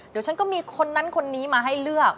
เดี๋ยวฉันก็มีคนนั้นคนนี้มาให้เลือก